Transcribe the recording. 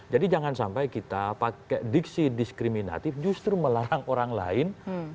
jadi jangan sampai kita pakai diksi diskriminatif justru melarang orang lain